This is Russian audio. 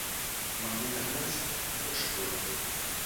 Магнитогорск — лучший город